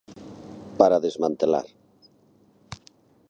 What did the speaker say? Para desmantelar.